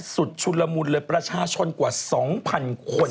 ชุนละมุนเลยประชาชนกว่า๒๐๐๐คน